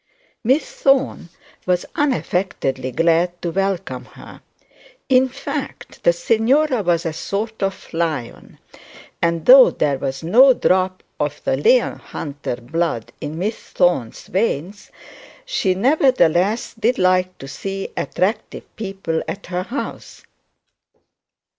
Miss Thorne was unaffectedly glad to welcome her. In fact, the signora was a sort of lion; and though there was no drop of the Leohunter blood in Miss Thorne's veins, she nevertheless did like to see attractive people at her house.